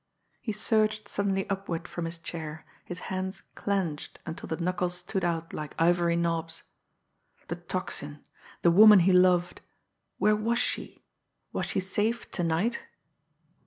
He surged suddenly upward from his chair, his hands clenched until the knuckles stood out like ivory knobs. The Tocsin! The woman he loved where was she? Was she safe _to night?